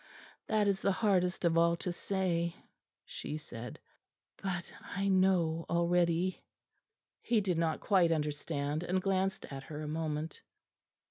that is the hardest of all to say," she said, "but I know already." He did not quite understand, and glanced at her a moment.